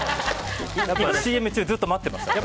今、ＣＭ中ずっと待ってました。